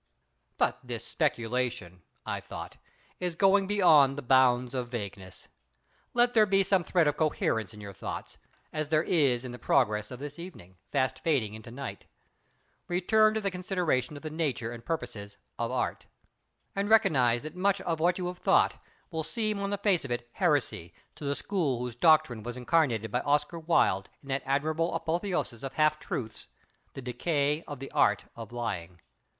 But this speculation—I thought—is going beyond the bounds of vagueness. Let there be some thread of coherence in your thoughts, as there is in the progress of this evening, fast fading into night. Return to the consideration of the nature and purposes of Art! And recognize that much of what you have thought will seem on the face of it heresy to the school whose doctrine was incarnated by Oscar Wilde in that admirable apotheosis of half truths: "The Decay of the Art of Lying."